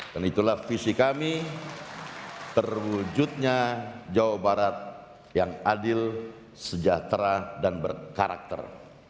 itulah visi kami terwujudnya jawa barat yang adil sejahtera dan berkarakter